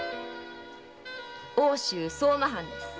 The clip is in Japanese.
奥州相馬藩です。